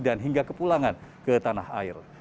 hingga kepulangan ke tanah air